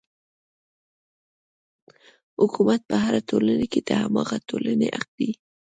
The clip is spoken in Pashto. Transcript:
حکومت په هره ټولنه کې د هماغې ټولنې حق دی.